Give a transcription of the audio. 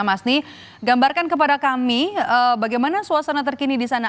mas ni gambarkan kepada kami bagaimana suasana terkini di sana